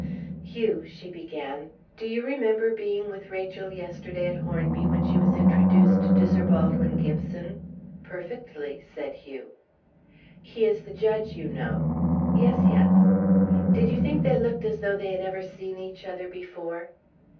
"Hugh," she began, "do you remember being with Rachel yesterday at Hornby, when she was introduced to Sir Baldwin Gibson?" "Perfectly," said Hugh. "He is the judge, you know." "Yes, yes." "Did you think they looked as though they had ever seen each other before?"